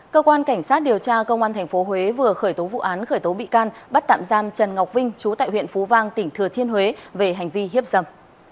cơ quan cảnh sát điều tra công an tp huế vừa khởi tố vụ án khởi tố bị can bắt tạm giam trần ngọc vinh chú tại huyện phú vang tỉnh thừa thiên huế về hành vi hiếp dâm